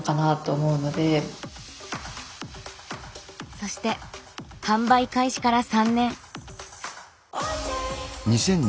そして販売開始から３年。